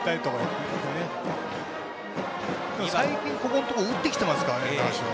最近ここのところ打ってきていますからね、習志野。